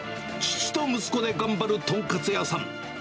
父と息子で頑張る豚カツ屋さん。